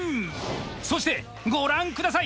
そしてご覧下さい。